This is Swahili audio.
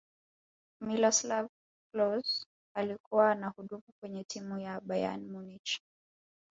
miloslav klose alikuwa anahudumu kwenye timu ya bayern munich